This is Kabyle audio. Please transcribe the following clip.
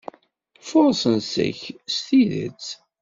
Furṣen seg-k s tidet.